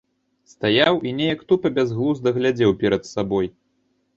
Стаяў і неяк тупа, бязглузда глядзеў перад сабой.